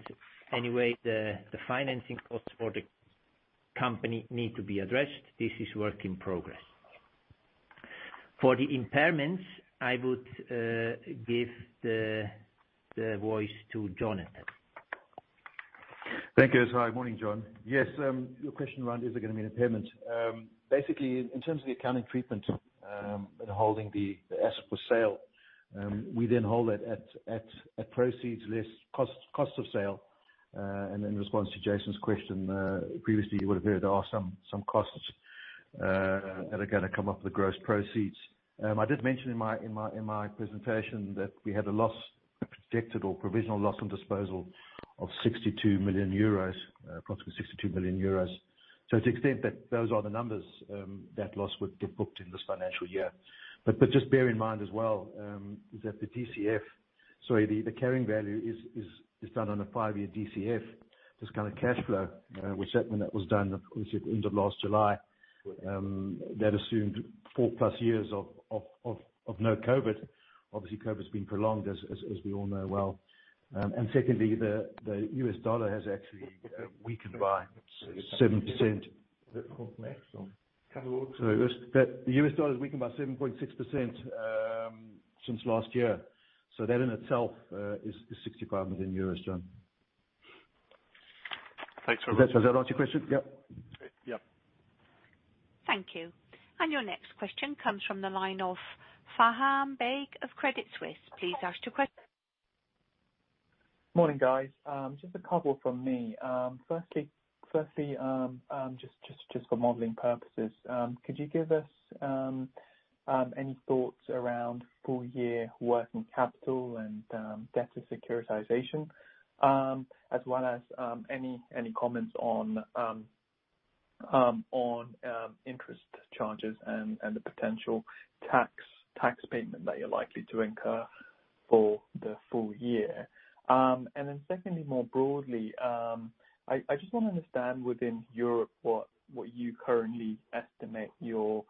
anyway, the financing costs for the company need to be addressed. This is work in progress. For the impairments, I would give the voice to Jonathan. Thank you. Good morning, Jon. Yes, your question around is there going to be an impairment. Basically, in terms of the accounting treatment, in holding the asset for sale, we then hold it at proceeds less cost of sale. In response to Jason's question, previously you would have heard there are some costs that are gonna come off the gross proceeds. I did mention in my presentation that we had a loss, a projected or provisional loss on disposal of 62 million euros, approximately 62 million euros. So to the extent that those are the numbers, that loss would get booked in this financial year. Just bear in mind as well is that the DCF, sorry, the carrying value is done on a five-year DCF, discounted cash flow. When that was done, obviously at the end of last July, that assumed 4+ years of no COVID. Obviously, COVID's been prolonged as we all know well. Secondly, the U.S. dollar has actually weakened by 7%. Sorry. The U.S. dollar has weakened by 7.6% since last year. That in itself is 65 million euros, Jon. Thanks very much. Does that answer your question? Yep. Yep. Thank you. Your next question comes from the line of Faham Baig of Credit Suisse. Please ask your question. Morning, guys. Just a couple from me. Firstly, just for modeling purposes, could you give us any thoughts around full year working capital and debt to securitization? As well as any comments on interest charges and the potential tax payment that you're likely to incur for the full year. Secondly, more broadly, I just want to understand within Europe what you currently estimate your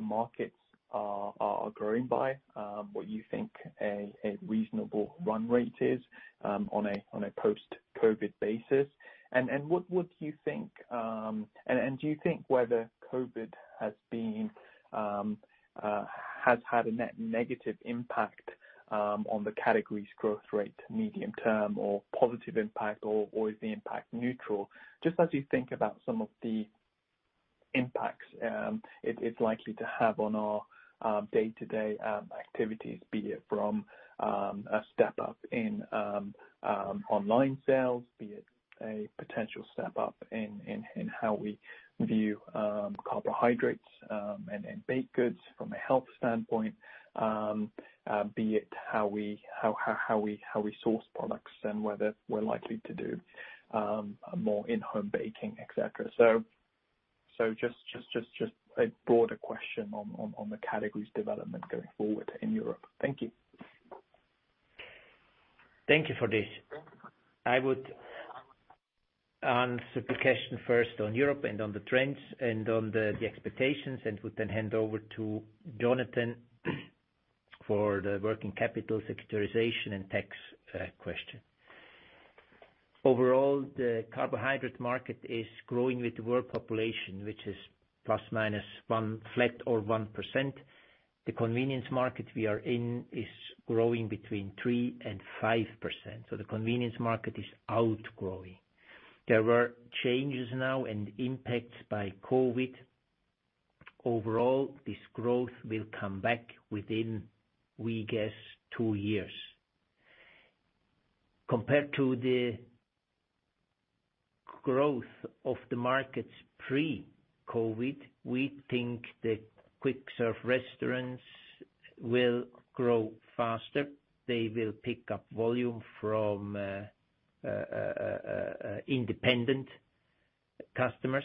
markets are growing by, what you think a reasonable run rate is on a post-COVID-19 basis. Do you think whether COVID-19 has had a net negative impact on the categories growth rate, medium-term or positive impact, or is the impact neutral? Just as you think about some of the impacts it is likely to have on our day-to-day activities, be it from a step up in online sales, be it a potential step up in how we view carbohydrates and baked goods from a health standpoint, be it how we source products and whether we're likely to do more in-home baking, etc. Just a broader question on the categories development going forward in Europe. Thank you. Thank you for this. I would answer the question first on Europe and on the trends and on the expectations, and would then hand over to Jonathan for the working capital securitization and tax question. Overall, the carbohydrate market is growing with the world population, which is flat or 1%. The convenience market we are in is growing between 3% and 5%. The convenience market is outgrowing. There were changes now and impacts by COVID. Overall, this growth will come back within, we guess, two years. Compared to the growth of the markets pre-COVID, we think the quick-serve restaurants will grow faster. They will pick up volume from independent customers.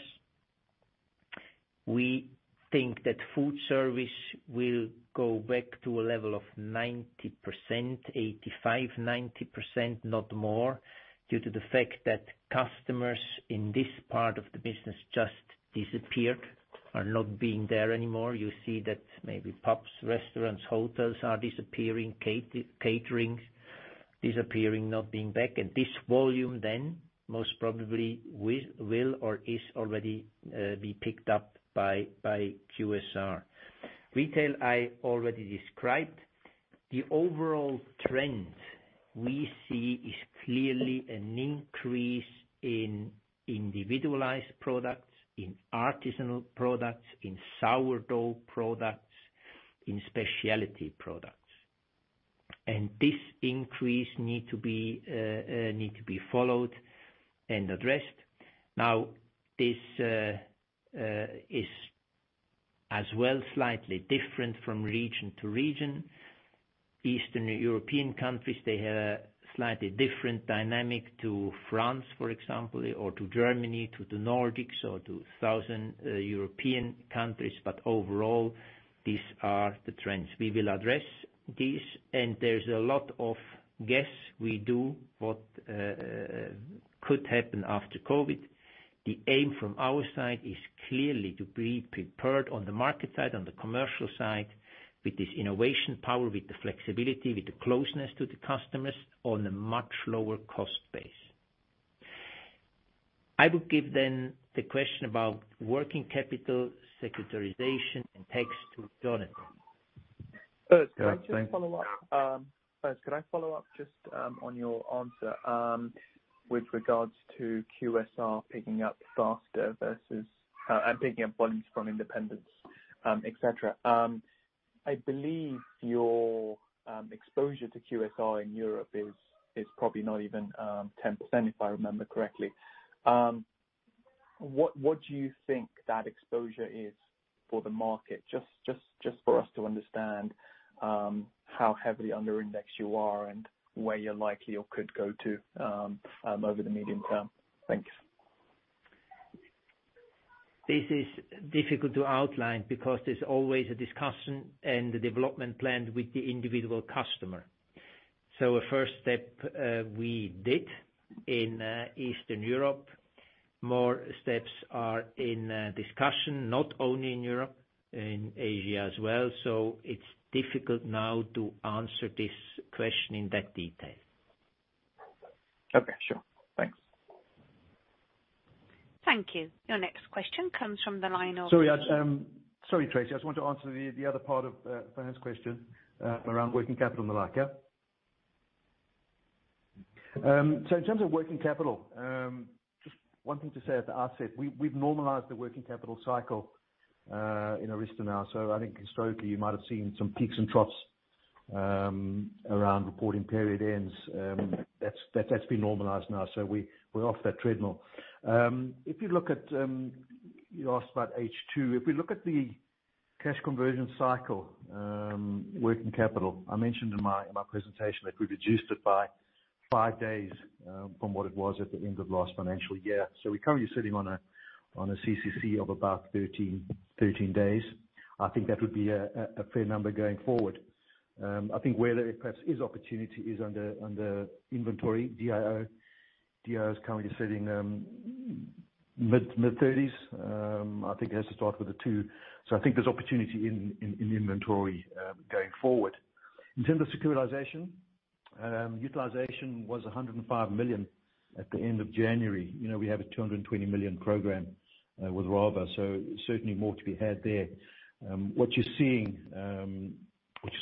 We think that food service will go back to a level of 90%, 85%, 90%, not more, due to the fact that customers in this part of the business just disappeared, are not being there anymore. You see that maybe pubs, restaurants, hotels are disappearing, catering disappearing, not being back. This volume then, most probably will or is already being picked up by QSR. Retail, I already described. The overall trend we see is clearly an increase in individualized products, in artisanal products, in sourdough products, in specialty products. This increase needs to be followed and addressed. Now, this is as well slightly different from region to region. Eastern European countries, they have a slightly different dynamic to France, for example, or to Germany, to the Nordics or to Southern European countries. Overall, these are the trends. We will address this, there's a lot of guesswork we do what could happen after COVID-19. The aim from our side is clearly to be prepared on the market side, on the commercial side, with this innovation power, with the flexibility, with the closeness to the customers, on a much lower cost base. I would give then the question about working capital securitization and tax to Jonathan. Thanks. Could I just follow up? Could I follow up just on your answer with regards to QSR picking up faster versus and picking up volumes from independents, etc? I believe your exposure to QSR in Europe is probably not even 10%, if I remember correctly. What do you think that exposure is for the market? Just for us to understand how heavily under index you are and where you're likely or could go to over the medium-term. Thanks. This is difficult to outline because there's always a discussion and the development plan with the individual customer. A first step we did in Eastern Europe, more steps are in discussion, not only in Europe, in Asia as well. It's difficult now to answer this question in that detail. Okay, sure. Thanks. Thank you. Your next question comes from the line of- Sorry, Tracy, I just want to answer the other part of Faham's question around working capital, Faham Baig. In terms of working capital, just one thing to say at the outset, we've normalized the working capital cycle in ARYZTA now. I think historically, you might have seen some peaks and troughs around reporting period ends. That's been normalized now, so we're off that treadmill. You asked about H2. If we look at the cash conversion cycle, working capital, I mentioned in my presentation that we reduced it by five days from what it was at the end of last financial year. We're currently sitting on a CCC of about 13 days. I think that would be a fair number going forward. I think where there perhaps is opportunity is under inventory, DIO. DIO is currently sitting mid-30s. I think it has to start with a two. I think there's opportunity in inventory going forward. In terms of securitization, utilization was 105 million at the end of January. We have a 220 million program with Rabobank, certainly more to be had there. What you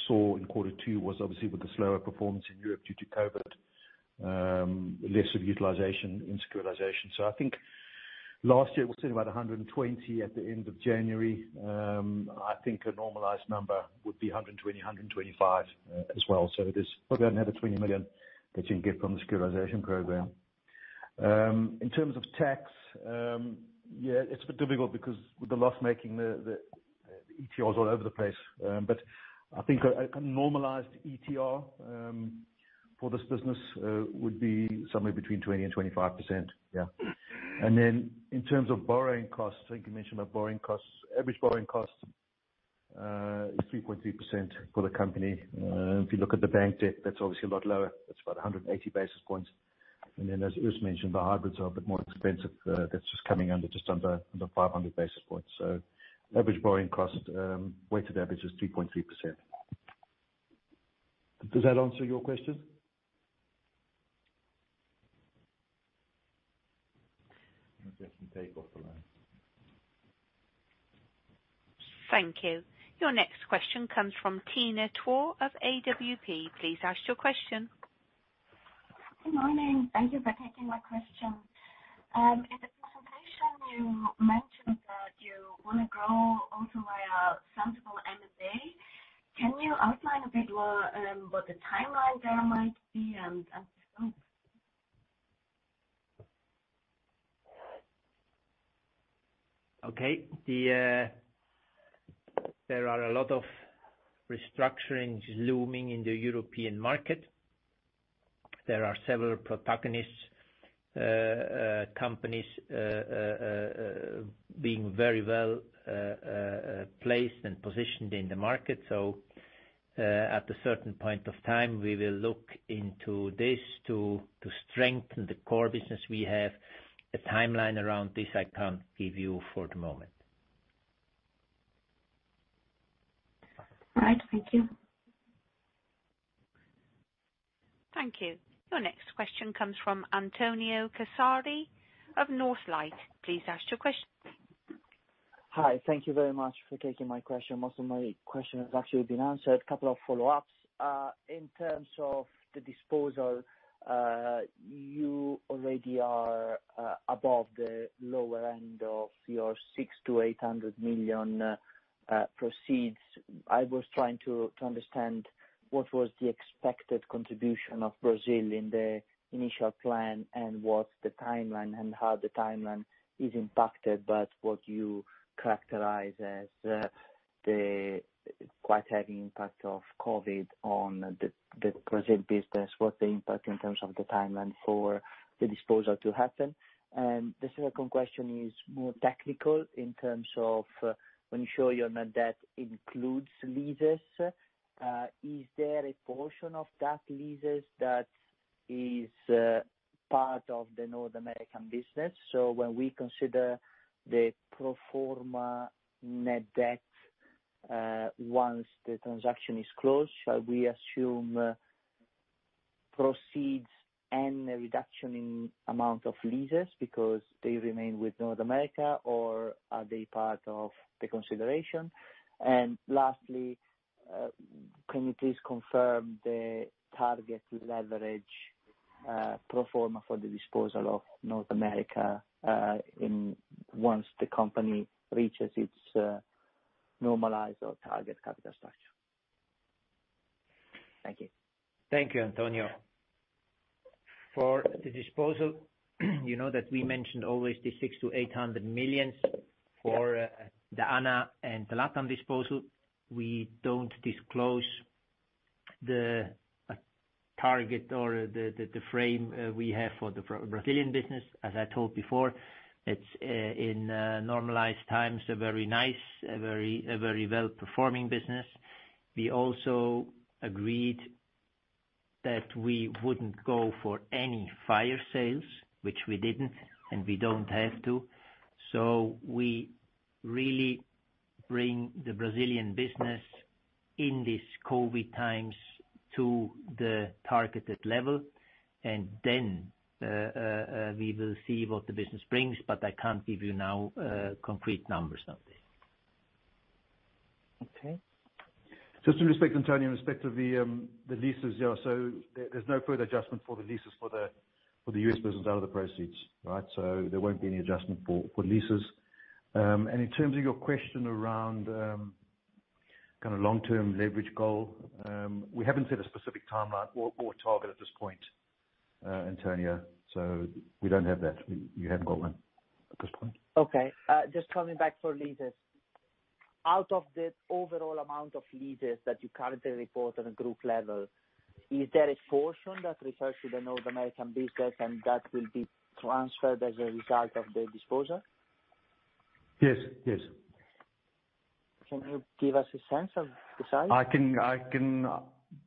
saw in quarter two was obviously with the slower performance in Europe due to COVID, less of utilization in securitization. I think last year it was sitting about 120 million at the end of January. I think a normalized number would be 120 million-125 million as well. There's probably another 20 million that you can get from the securitization program. In terms of tax, it's a bit difficult because with the loss making, the ETR is all over the place. I think a normalized ETR for this business would be somewhere between 20%-25%. Yeah. Then in terms of borrowing costs, I think you mentioned about borrowing costs. Average borrowing costs is 3.3% for the company. If you look at the bank debt, that's obviously a lot lower. That's about 180 basis points. Then as Urs mentioned, the hybrids are a bit more expensive. That's just coming under the 500 basis points. Average borrowing cost, weighted average is 3.3%. Does that answer your question? I'm getting some takeoff alarm. Thank you. Your next question comes from Tina Tu of AWP. Please ask your question. Good morning. Thank you for taking my question. In the presentation, you mentioned that you want to grow also via sensible M&A. Can you outline a bit what the timeline there might be and the scope? Okay. There are a lot of restructurings looming in the European market. There are several protagonists, companies, being very well placed and positioned in the market. At a certain point of time, we will look into this to strengthen the core business we have. A timeline around this I can't give you for the moment. All right. Thank you. Thank you. Your next question comes from Antonio Casari of Northlight. Please ask your question. Hi. Thank you very much for taking my question. Most of my question has actually been answered. A couple of follow-ups. In terms of the disposal, you already are above the lower end of your 600 million-800 million proceeds. I was trying to understand what was the expected contribution of Brazil in the initial plan, and what's the timeline and how the timeline is impacted by what you characterize as the quite heavy impact of COVID on the Brazil business. What's the impact in terms of the timeline for the disposal to happen? The second question is more technical in terms of when you show your net debt includes leases, is there a portion of that leases that is part of the North American business? When we consider the pro forma net debt, once the transaction is closed, shall we assume proceeds and a reduction in amount of leases because they remain with North America? Are they part of the consideration? Lastly, can you please confirm the target leverage pro forma for the disposal of North America once the company reaches its normalized or target capital structure? Thank you. Thank you, Antonio. For the disposal, you know that we mentioned always the 600 million-800 million for the ANA and the Latam disposal. We don't disclose the target or the frame we have for the Brazilian business. As I told before, it's in normalized times, a very nice, a very well-performing business. We also agreed that we wouldn't go for any fire sales, which we didn't, and we don't have to. We really bring the Brazilian business in these COVID times to the targeted level, and then we will see what the business brings, but I can't give you now concrete numbers on this. Okay. Just with respect, Antonio, in respect of the leases. There's no further adjustment for the leases for the U.S. business out of the proceeds, right? There won't be any adjustment for leases. In terms of your question around long-term leverage goal, we haven't set a specific timeline or target at this point, Antonio. We don't have that. We haven't got one at this point. Okay. Just coming back for leases. Out of the overall amount of leases that you currently report on a group level, is there a portion that refers to the North American business and that will be transferred as a result of the disposal? Yes. Can you give us a sense of the size? I can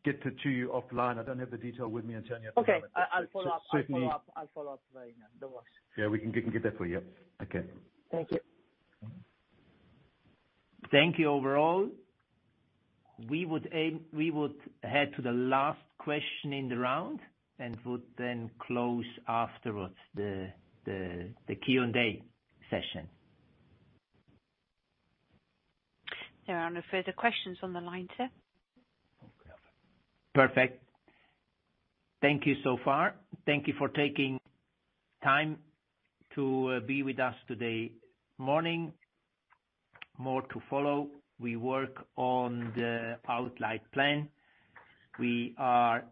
get it to you offline. I don't have the detail with me, Antonio, at the moment. Okay. I'll follow up. Certainly. I'll follow up line. No worries. Yeah, we can get that for you. Okay. Thank you. Thank you overall. We would head to the last question in the round and would then close afterwards the Q&A session. There are no further questions on the line, sir. Perfect. Thank you so far. Thank you for taking time to be with us today morning. More to follow. We work on the outlined plan. We are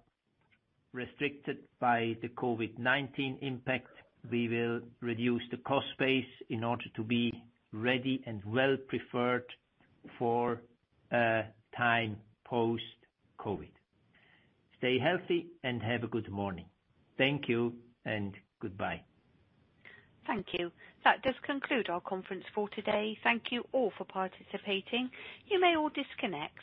restricted by the COVID-19 impact. We will reduce the cost base in order to be ready and well preferred for time post-COVID. Stay healthy and have a good morning. Thank you and goodbye. Thank you. That does conclude our conference for today. Thank you all for participating. You may all disconnect.